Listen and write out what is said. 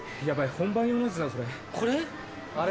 本番用のやつだ。